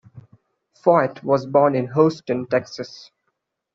Foyt was born in Houston, Texas.